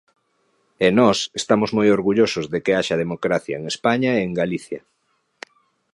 E nós estamos moi orgullosos de que haxa democracia en España e en Galicia.